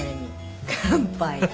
乾杯。